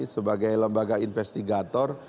sebagai lembaga investigator